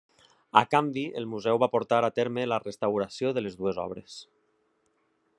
A canvi el museu va portar a terme la restauració de les dues obres.